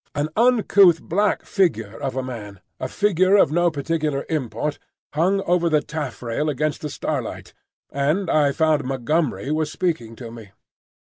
An uncouth black figure of a man, a figure of no particular import, hung over the taffrail against the starlight, and I found Montgomery was speaking to me.